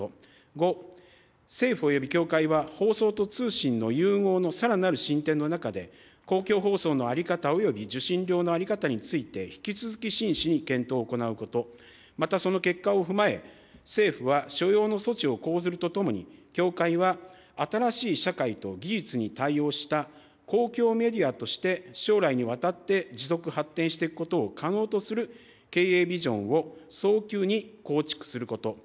５、政府および協会は放送と通信の融合のさらなる進展の中で、公共放送の在り方および受信料の在り方について、引き続き真摯に検討を行うこと、また、その結果を踏まえ、政府は所要の措置を講ずるとともに、協会は新しい社会と技術に対応した公共メディアとして、将来にわたって持続発展していくことを可能とする経営ビジョンを早急に構築すること。